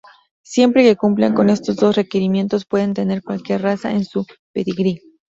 Siempre que cumplan con estos dos requerimientos pueden tener cualquier raza en su pedigrí.